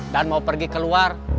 dan mau pergi keluar